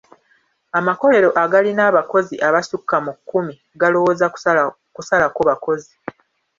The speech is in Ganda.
Amakolero agalina abakozi abasukka mu kkumi galowooza kusalako bakozi.